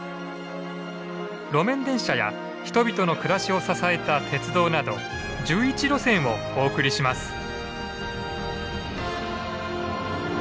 路面電車や人々の暮らしを支えた鉄道など１１路線をお送りします。